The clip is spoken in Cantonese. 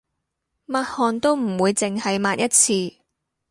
抹汗都唔會淨係抹一次